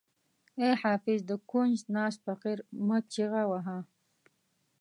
ای حافظ د کونج ناست فقیر مه چیغه وهه.